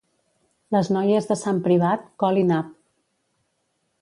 Les noies de Sant Privat, col i nap.